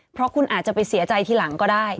เพราะคุณอาจจะไปเสียใจทีหลังก็ได้